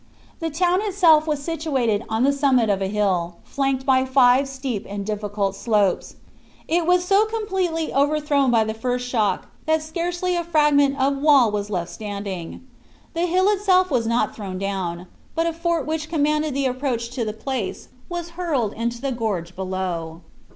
The town itself was situated on the summit of a hill, flanked by five steep and difficult slopes; it was so completely overthrown by the first shock that scarcely a fragment of wall was left standing. The hill itself was not thrown down, but a fort which commanded the approach to the place was hurled into the gorge below.